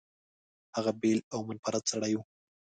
هغه بېل او منفرد سړی و.